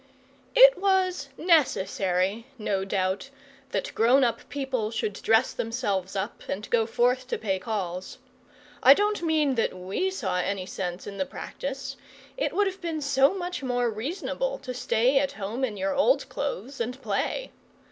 It was necessary, no doubt, that grown up people should dress themselves up and go forth to pay calls. I don't mean that we saw any sense in the practice. It would have been so much more reasonable to stay at home in your old clothes and play.